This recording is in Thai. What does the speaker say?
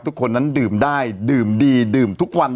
ทุกคนนั้นดื่มได้ดื่มดีดื่มทุกวัน